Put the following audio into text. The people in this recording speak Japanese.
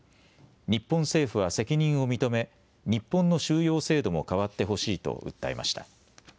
日本政府は責任を認め日本の収容制度も変わってほしいと訴えました。